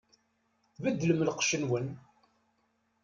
Beddlem lqecc-nwen!